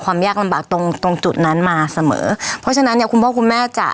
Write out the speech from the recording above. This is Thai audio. ยากลำบากตรงตรงจุดนั้นมาเสมอเพราะฉะนั้นเนี่ยคุณพ่อคุณแม่จะ